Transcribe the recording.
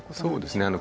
そうですね。